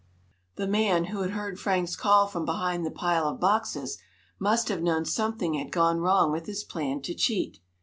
The man, who had heard Frank's call from behind the pile of boxes, must have known something had gone wrong with his plan to cheat.